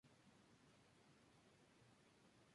La región afectada por el calor es muy pequeña.